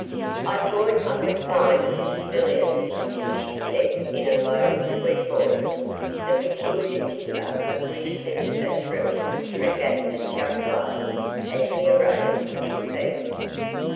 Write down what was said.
'I thought I would find Mrs Villiers here,' she said, in a low, sweet voice, the peculiar timbre of which sent a thrill through Gaston's young blood, as he arose to his feet.